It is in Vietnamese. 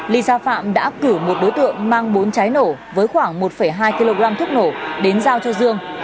lisa phạm đã cử một đối tượng mang bốn trái nổ với khoảng một hai kg thức nổ đến giao cho dương